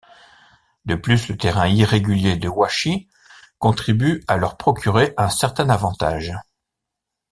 De plus le terrain irrégulier de Huachi contribue à leur procurer un certain avantage.